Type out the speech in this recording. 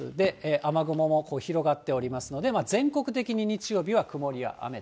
雨雲も広がっておりますので、全国的に日曜日は曇りや雨。